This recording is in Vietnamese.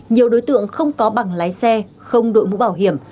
nhiều đối tượng không có bằng lái xe không đội mũ bảo hiểm